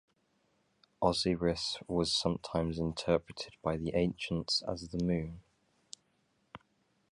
Osiris was sometimes interpreted by the ancients as the moon.